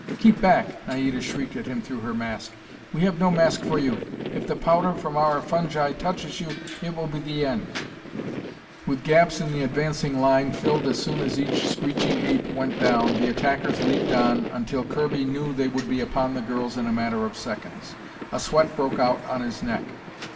"Keep back!" Naida shrieked at him through her mask. "We have no mask for you. If the powder from our fungi touches you, it will be the end!" With gaps in the advancing line filled as soon as each screeching ape went down, the attackers leaped on until Kirby knew they would be upon the girls in a matter of seconds. A sweat broke out on his neck.